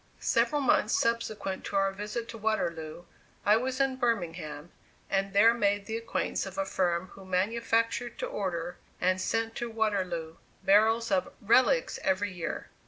Several months subsequent to our visit to Waterloo, I was in Birmingham, and there made the acquaintance of a firm who manufactured to order, and sent to Waterloo, barrels of "relics" every year.